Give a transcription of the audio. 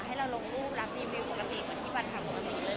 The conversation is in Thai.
ให้เราลงรูปรับรีวิวปกติเหมือนที่วันทำปกติเลย